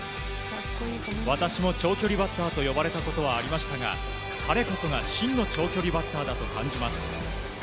私も長距離バッターと呼ばれたことはありましたが彼こそが真の長距離バッターだと感じます。